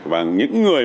và những người